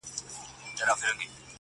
لاس دي رانه کړ اوبو چي ډوبولم!!